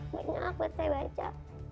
banyak buat saya baca